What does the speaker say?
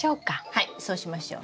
はいそうしましょう。